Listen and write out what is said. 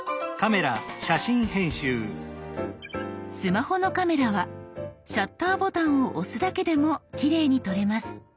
スマホのカメラはシャッターボタンを押すだけでもきれいに撮れます。